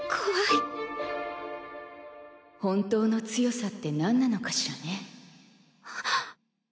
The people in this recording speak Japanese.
本当の強さってなんなのかしはっ！